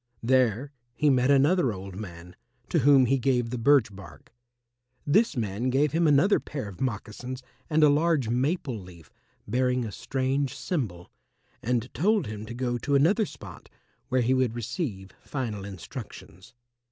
There he met another old man, to whom he gave the birch bark. This man gave him another pair of moccasins and a large maple leaf bearing a strange symbol, and told him to go to another spot, where he would receive final instructions.